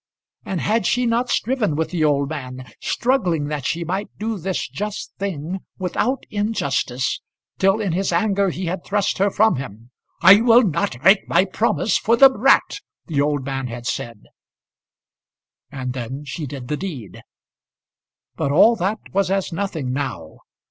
And had she not striven with the old man, struggling that she might do this just thing without injustice, till in his anger he had thrust her from him. "I will not break my promise for the brat," the old man had said; and then she did the deed. But all that was as nothing now.